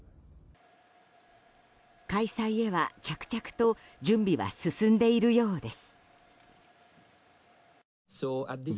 開催へは着々と準備は進んでいるようです。